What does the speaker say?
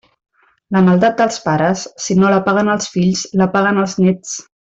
La maldat dels pares, si no la paguen els fills, la paguen els néts.